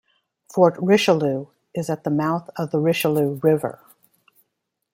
Fort Richelieu is at the mouth of the Richelieu River.